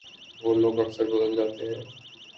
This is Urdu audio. وہ لوگ اکثر بدل جاتے ہیں